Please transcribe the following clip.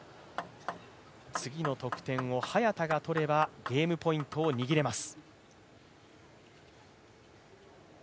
次の得点を早田が取ればゲームポイントを握れます。